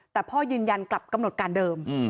แต่พ่อยืนยันกลับกำหนดการเดิม